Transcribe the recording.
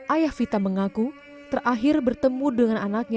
ayah vita mengaku terakhir bertemu dengan anaknya